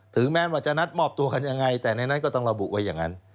แม้ว่าจะนัดมอบตัวกันยังไงแต่ในนั้นก็ต้องระบุไว้อย่างนั้น